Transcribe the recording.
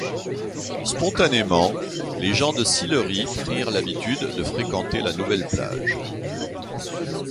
Spontanément, les gens de Sillery prirent l'habitude de fréquenter la nouvelle plage.